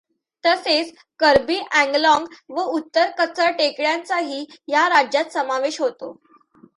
तसेच कर्बी अँगलाँग व उत्तर कचर टेकड्यांचाही या राज्यात समावेश होतो.